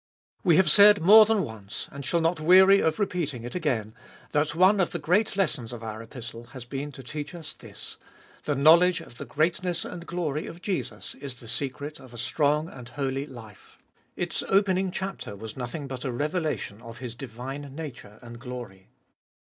We have said more than once, and shall not weary of repeating it again, that one of the great lessons of our Epistle has been to teach us this : The knowledge of the greatness and glory of Jesus is the secret of a strong and holy life. Its opening chapter was nothing but a revelation of His divine nature and glory.